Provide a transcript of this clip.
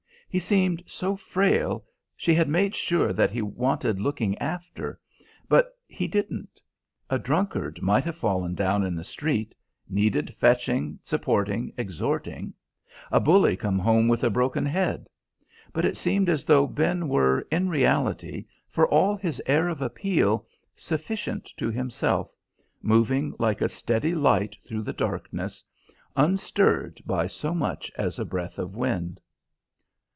He seemed so frail, she had made sure that he wanted looking after; but he didn't. A drunkard might have fallen down in the street, needed fetching, supporting, exhorting; a bully come home with a broken head. But it seemed as though Ben were, in reality, for all his air of appeal, sufficient to himself, moving like a steady light through the darkness; unstirred by so much as a breath of wind.